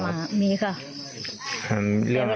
มีค่ะเวลาเขาไม่มาห้องนอนเขาไม่อยู่นี่หรอกอืมเขา